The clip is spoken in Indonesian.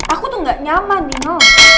aku tuh gak nyaman nino